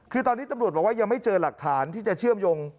คือตอนนี้ตำรวจบอกว่ายังไม่เจอหลักฐานที่จะเชื่อมโยง